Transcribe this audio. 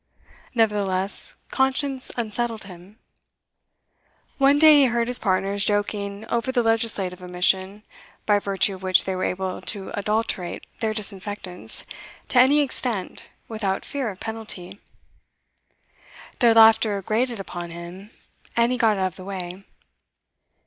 Nevertheless conscience unsettled him. One day he heard his partners joking over the legislative omission by virtue of which they were able to adulterate their disinfectants to any extent without fear of penalty; their laughter grated upon him, and he got out of the way.